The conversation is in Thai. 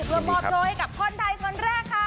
เรือหมอโจยกับคนไทยคนแรกค่ะ